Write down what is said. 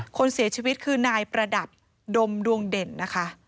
คนเสียชีวิตคือนายประดับดมดวงเด่นนะคะ